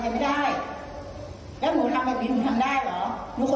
ขยะมันเก็บไปเมื่อเช้าพี่นำแบบนี้ไม่ได้นะทำอะไรยังไม่ได้